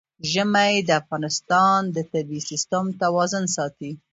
ژمی د افغانستان د طبعي سیسټم توازن ساتي.